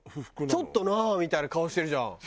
「ちょっとな」みたいな顔してるじゃん。